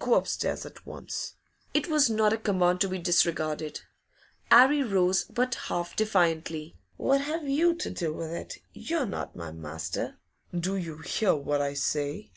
Go upstairs at once!' It was not a command to be disregarded. 'Arry rose, but half defiantly. 'What have you to do with it? You're not my master.' 'Do you hear what I say?